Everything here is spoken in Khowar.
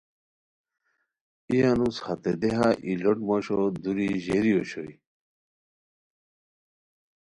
ای انوس ہتے دیہا ای لوٹ موشو دوری ژیری اوشوئے